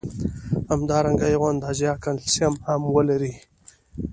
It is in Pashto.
همدارنګه یو اندازه کلسیم هم لري.